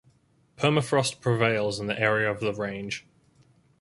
Permafrost prevails in the area of the range.